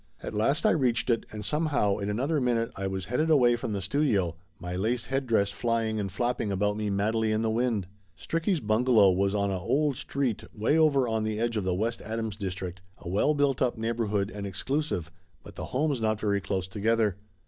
At last I reached it, and somehow in another minute I was headed away from the studio, my lace headdress flying and flapping about me madly in the wind. Stricky's bungalow was on a old street way over on the edge of the West Adams district, a well built up neighborhood and exclusive, but the homes not very close together.